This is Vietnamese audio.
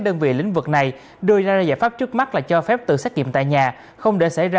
đơn vị lĩnh vực này đưa ra ra giải pháp trước mắt là cho phép tự xét nghiệm tại nhà không để xảy ra